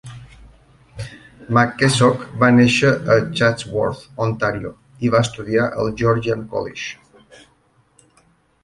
McKessock va néixer a Chatsworth, Ontàrio, i va estudiar al Georgian College.